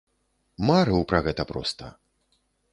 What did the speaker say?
Марыў пра гэта проста!